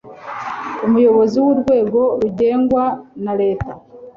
umuyobozi w urwego rugengwa na leta